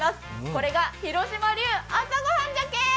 これが広島流朝ごはんじゃけえ。